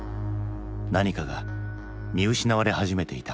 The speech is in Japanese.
何かが見失われ始めていた。